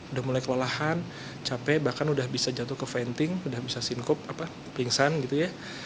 udah mulai kelalahan capek bahkan udah bisa jatuh ke venting udah bisa sinkup pingsan gitu ya